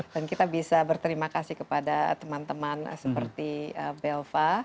dan kita bisa berterima kasih kepada teman teman seperti belva